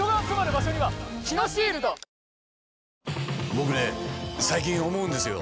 僕ね最近思うんですよ。